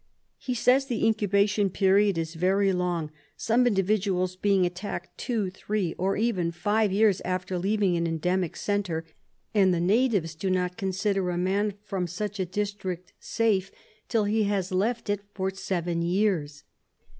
He says the incubation period is very long, some individuals being attacked two, three, or even five years after leaving an endemic centre, and the natives do not consider a man from such a district safe till he has left it for seven years.